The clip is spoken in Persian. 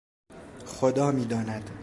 خدا میداند